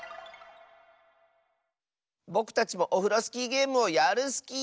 ぼくたちもオフロスキーゲームをやるスキー！